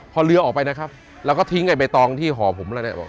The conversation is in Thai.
พอเรือออกไปนะครับเราก็ทิ้งไอ้ใบตองที่ห่อผมแล้วเนี่ย